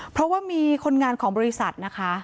เพราะว่ามีคนงานของบริษัทนะคะ